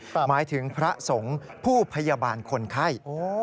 หมายถึงพระสงฆ์ผู้พยาบาลคนไข้